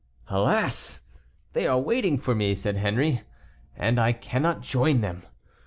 "Alas! they are waiting for me," said Henry, "and I cannot join them.